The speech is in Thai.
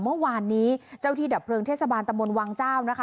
เมื่อวานนี้เจ้าที่ดับเพลิงเทศบาลตะมนต์วังเจ้านะคะ